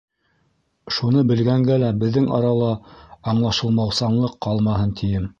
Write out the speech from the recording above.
Шуны белгәнгә лә беҙҙең арала аңлашылмаусанлыҡ ҡалмаһын тием.